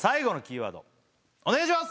お願いします！